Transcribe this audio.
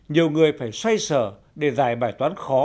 nhiều người phải xoay sở để giải bài toán khó